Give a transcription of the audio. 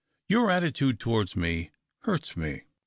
Your attitude towards me hurts me.